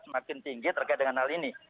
semakin tinggi terkait dengan hal ini